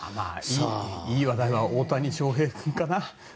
いい話題は大谷翔平君かな？